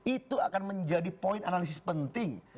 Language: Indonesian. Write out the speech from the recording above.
itu akan menjadi poin analisis penting